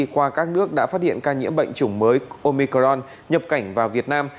qua các nước đã phát hiện ca nhiễm bệnh chủng mới omicron nhập cảnh vào việt nam